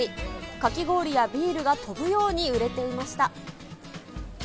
かき氷やビールが飛ぶように売れていました。